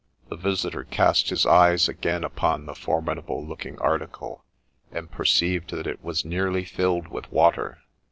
The visitor cast his eyes again upon the formidable looking article, and perceived that it was nearly filled with water.